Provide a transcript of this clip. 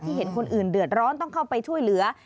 เห็นคนอื่นเดือดร้อนต้องเข้าไปช่วยเหลือ